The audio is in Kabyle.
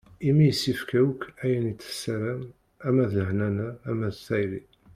Imi i s-yefka akk ayen i tessaram ama d leḥnana, ama d tayri.